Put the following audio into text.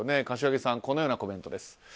柏木さん、このようなコメント。